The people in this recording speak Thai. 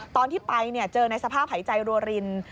ตอนที่ไปเนี่ยเจอในสภาพหายใจรวยริน